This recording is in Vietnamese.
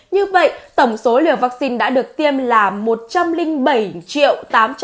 như vậy tổng số liều vaccine đã được tiêm là một trăm linh bảy tám trăm sáu mươi một một trăm ba mươi một liều